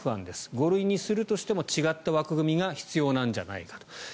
５類にするとしても違った枠組みが必要なんじゃないかと。